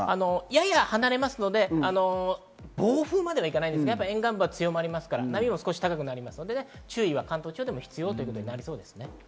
やや離れますので、暴風まではいかないですが、沿岸部は強まりますから、波も少し高くなりますので注意は関東地方でも必要です。